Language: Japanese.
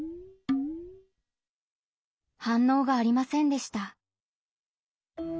反応がありませんでした。